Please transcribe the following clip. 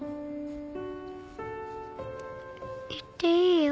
行っていいよ。